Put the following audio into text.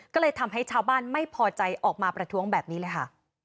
ก็เลยทำให้ชาวบ้านไม่พอใจออกมาประท้วงแบบนี้เลยค่ะ